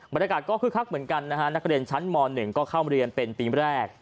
บรรยากาศก็คึกคักเหมือนกันนะฮะนักเรียนชั้นม๑ก็เข้ามาเรียนเป็นปีแรก